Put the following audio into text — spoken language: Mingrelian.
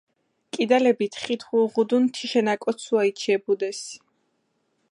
კიდალეფი თხითხუ უღუდუნ თიშენ აკოცუა, იჩიებუდეს.